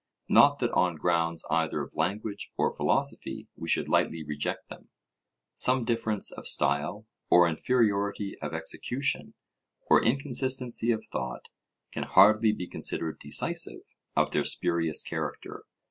Not that on grounds either of language or philosophy we should lightly reject them. Some difference of style, or inferiority of execution, or inconsistency of thought, can hardly be considered decisive of their spurious character.